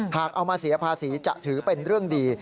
หากเอามาเสียภาษีจะถือเป็นเรื่องดี